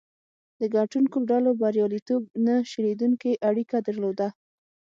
د ګټونکو ډلو بریالیتوب نه شلېدونکې اړیکه درلوده.